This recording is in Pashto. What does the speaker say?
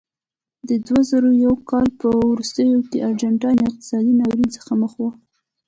د دوه زره یو کال په وروستیو کې ارجنټاین اقتصادي ناورین سره مخ و.